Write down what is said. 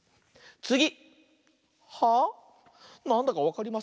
つぎ！